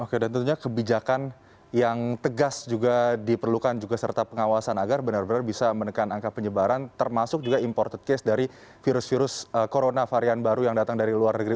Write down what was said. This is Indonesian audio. oke dan tentunya kebijakan yang tegas juga diperlukan juga serta pengawasan agar benar benar bisa menekan angka penyebaran termasuk juga imported case dari virus virus corona varian baru yang datang dari luar negeri